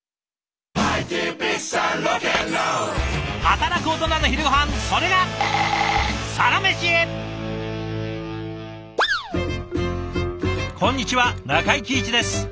働くオトナの昼ごはんそれがこんにちは中井貴一です。